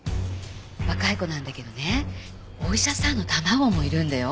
若い子なんだけどねお医者さんの卵もいるんだよ。